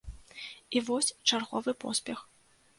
І вось чарговы поспех!